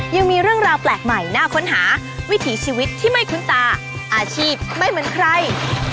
ยังมีเรื่องราวแปลกใหม่น่าค้นหาวิถีชีวิตที่ไม่คุ้นตาอาชีพไม่เหมือนใคร